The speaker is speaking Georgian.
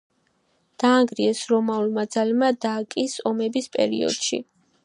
დაანგრიეს რომაულმა ძალებმა დაკიის ომების პერიოდში.